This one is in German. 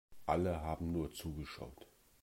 Alle haben nur zugeschaut.